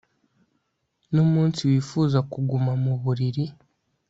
numunsi wifuza kuguma mu buriri